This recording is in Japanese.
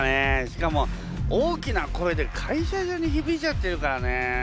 しかも大きな声で会社中にひびいちゃってるからね。